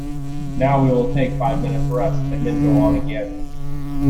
Now we will take five minutes' rest, and then go on again.